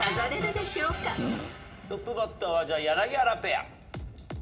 トップバッターは柳原ペア。